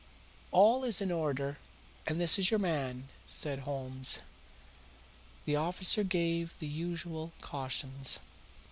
"All is in order and this is your man," said Holmes. The officer gave the usual cautions.